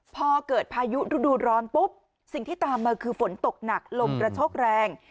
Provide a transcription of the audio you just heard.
พอเกิดพายุฤดูร้อนปุ๊บสิ่งที่ตามมาคือฝนตกหนักลมกระโชกแรง